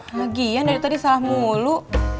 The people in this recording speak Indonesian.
lagi ya dari tadi salah mulu